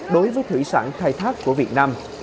đối với thủy sản khai thác của việt nam